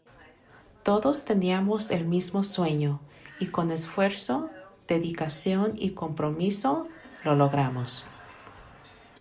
Todos teníamos el mismo sueño, y con esfuerzo, dedicación y compromiso lo logramos.